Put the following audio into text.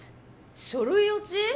書類落ち？